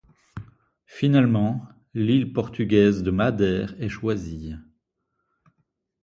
Finalement, l'île portugaise de Madère est choisie.